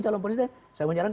calon presiden saya menyalahkan